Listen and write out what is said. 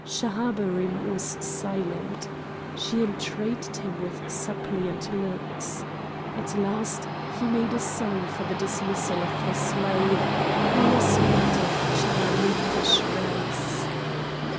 Schahabarim was silent. She entreated him with suppliant looks. At last he made a sign for the dismissal of the slave, who was not of Chanaanitish race.